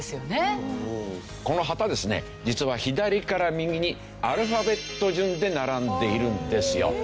この旗ですね実は左から右にアルファベット順で並んでいるんですよ。